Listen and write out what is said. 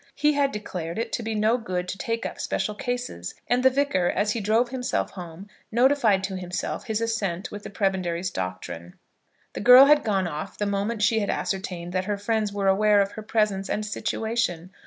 He had declared it to be no good to take up special cases, and the Vicar as he drove himself home notified to himself his assent with the Prebendary's doctrine. The girl had gone off the moment she had ascertained that her friends were aware of her presence and situation.